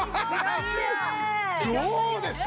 どうですか？